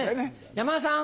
山田さん